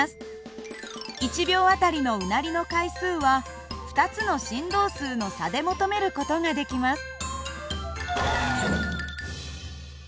１秒あたりのうなりの回数は２つの振動数の差で求める事ができます。